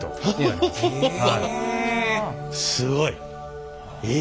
すごい！え！